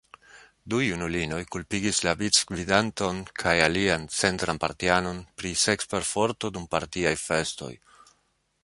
Du junulinoj kulpigis la vicgvidanton kaj alian centran partianon pri seksperforto dum partiaj festoj.